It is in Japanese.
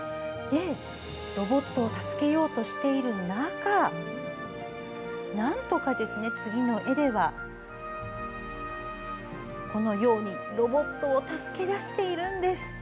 ロボットを助けようとしている中なんとか、次の絵ではロボットを助け出しているんです。